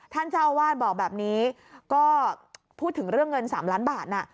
ท่านเจ้าอาวาสบอกแบบนี้ก็พูดถึงเรื่องเงิน๓ล้านบาทน่ะ